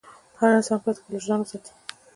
هر انسان باید خپل وجدان وساتي.